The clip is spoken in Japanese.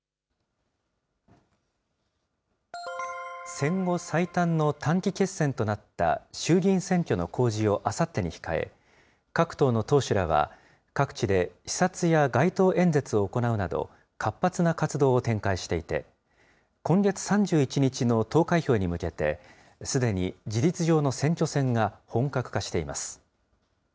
戦後最短の短期決戦となった衆議院選挙の公示をあさってに控え、各党の党首らは、各地で視察や街頭演説を行うなど、活発な活動を展開していて、今月３１日の投開票に向けて、すでに事実上の選挙戦が本格化しています。